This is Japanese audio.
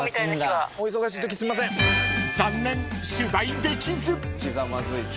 ［残念取材できず］